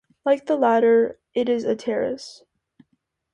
Like the latter, it is a terrace.